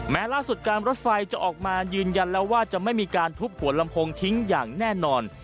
ล่าสุดการรถไฟจะออกมายืนยันแล้วว่าจะไม่มีการทุบหัวลำโพงทิ้งอย่างแน่นอน